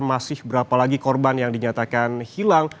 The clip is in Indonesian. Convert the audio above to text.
masih berapa lagi korban yang dinyatakan hilang